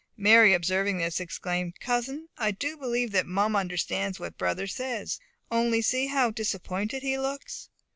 Mary observing this, exclaimed, "Cousin, I do believe that Mum understands what brother says. Only see how disappointed he looks!"